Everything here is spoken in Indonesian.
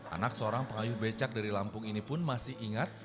anak seorang pengayuh becak dari lampung ini pun masih ingat